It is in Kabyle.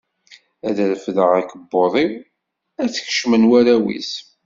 Ad refdeɣ akebbuḍ-iw, ad tt-kecmen warraw-is.